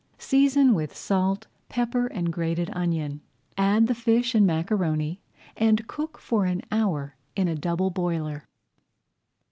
Season with salt, pepper, and grated onion, add the fish and macaroni, and cook for an hour in a double boiler.